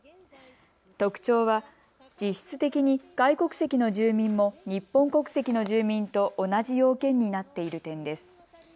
特徴は実質的に外国籍の住民も日本国籍の住民と同じ要件になっている点です。